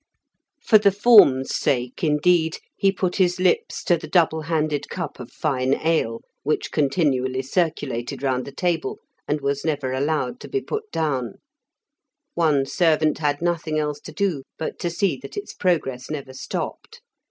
For the form's sake, indeed, he put his lips to the double handled cup of fine ale, which continually circulated round the table, and was never allowed to be put down; one servant had nothing else to do but to see that its progress never stopped.